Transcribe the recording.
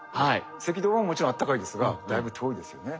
赤道はもちろん暖かいですがだいぶ遠いですよね。